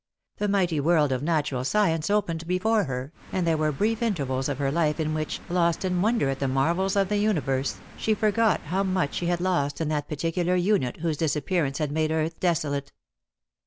The mighty world of natural science opened before her, and there were brief intervals of her life in which, lost in wonder at the marvels of the universe, she forgot how much she had lost in that particular unit whose disappearance had "made earth desolate.